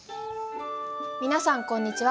皆さんこんにちは。